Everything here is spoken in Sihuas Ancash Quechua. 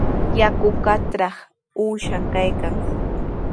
Yakukaqtraw uushan kaykan.